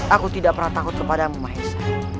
aku tidak pernah takut kepada maesha